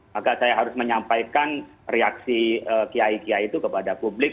maka saya harus menyampaikan reaksi kiai kiai itu kepada publik